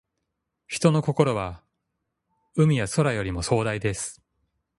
人の心は、海や空よりも壮大です。